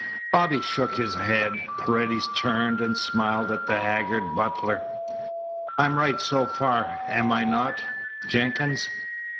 Bobby shook his head. Paredes turned and smiled at the haggard butler. "I'm right so far, am I not, Jenkins?"